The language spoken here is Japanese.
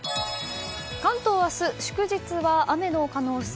関東は明日、祝日は雨の可能性。